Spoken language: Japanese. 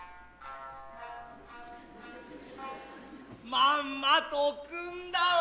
まんまと汲んだわ。